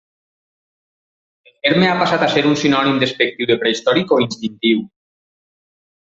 El terme ha passat a ser un sinònim despectiu de prehistòric o instintiu.